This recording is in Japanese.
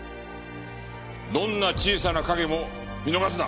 どんな小さな影も見逃すな。